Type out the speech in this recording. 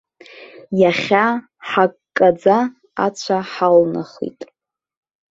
Иахьа ҳаккаӡа ацәа ҳалнахит.